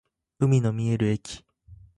海の見える駅